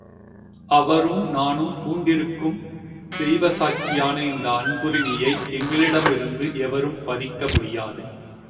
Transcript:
அவரும் நானும் பூண்டிருக்கும் தெய்வ சாட்சியான இந்த அன்புரிமையை எங்களிடமிருந்து எவரும் பறிக்க முடியாது.